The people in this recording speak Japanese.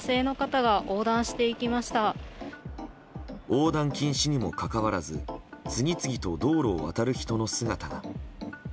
横断禁止にもかかわらず次々と道路を渡る人の姿が。